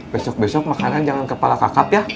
besok besok makanan jangan kepala kakap ya